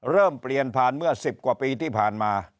เริ่มเปลี่ยนผ่านเมื่อ๑๐กว่าปีที่ผ่านมา